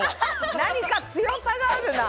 何か強さがあるな。